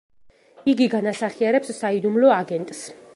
იგი განასახიერებს საიდუმლო აგენტს.